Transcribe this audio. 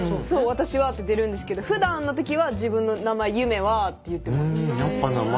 「わたしは」って出るんですけどふだんの時は自分の名前「ゆめは」って言ってます。